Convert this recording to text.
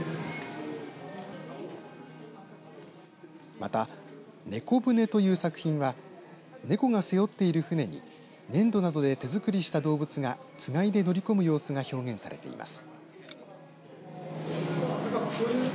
また、ネコブネという作品は猫が背負っている船に粘土などで手作りした動物がつがいで乗り込む様子が表現されています。